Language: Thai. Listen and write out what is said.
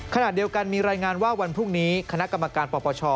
ขณะเดียวกันมีรายงานว่าวันพรุ่งนี้คณะกรรมการปปช